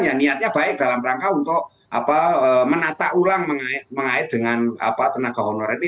ya niatnya baik dalam rangka untuk menata ulang mengait dengan tenaga honorer ini